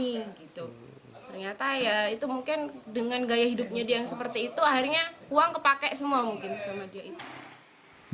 ternyata ya itu mungkin dengan gaya hidupnya dia yang seperti itu akhirnya uang kepakai semua mungkin